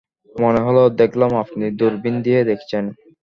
মনে হল দেখলাম আপনি দুরবিন দিয়ে দেখছেন।